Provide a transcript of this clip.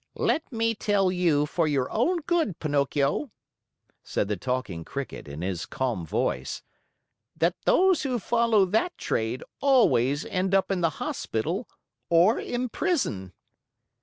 "Let me tell you, for your own good, Pinocchio," said the Talking Cricket in his calm voice, "that those who follow that trade always end up in the hospital or in prison."